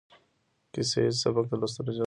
کيسه ييز سبک د لوستلو جذب زياتوي.